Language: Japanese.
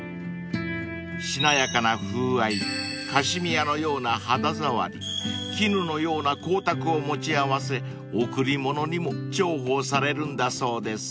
［しなやかな風合いカシミヤのような肌触り絹のような光沢を持ち合わせ贈り物にも重宝されるんだそうです］